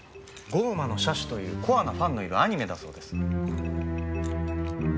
『降魔の射手』というコアなファンのいるアニメだそうです。